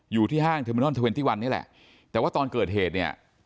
ห้างเทอร์มินอลเทอร์เวนตี้วันนี่แหละแต่ว่าตอนเกิดเหตุเนี่ย